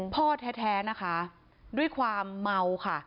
พ่อแท้นะคะด้วยความเมาค่ะ